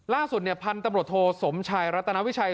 ล่าสุดพันธุ์ตำรวจโทสมชายรัตนาวิชัย